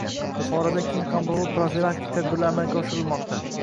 Buxoroda keng kamrovli profilaktik tadbirlar amalga oshirilmokda